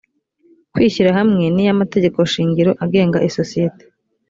kwishyira hamwe n iy amategekoshingiro agenga isosiyete